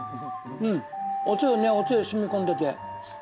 うんおつゆねおつゆしみ込んでてで